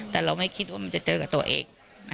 แต่เราไม่คิดว่ามันจะเจอกับตัวเอง